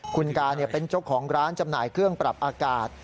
คุณกาเป็นเจ้าของร้านจำหน่ายเครื่องปรับอากาศ